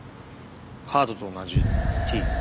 カードと同じＴ。